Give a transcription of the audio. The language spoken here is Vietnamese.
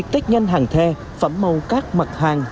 tết nhanh hàng the phẩm màu các mặt hàng